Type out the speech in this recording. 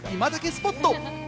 スポット！